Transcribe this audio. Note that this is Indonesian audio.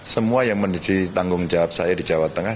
semua yang menuju tanggung jawab saya di jawa tengah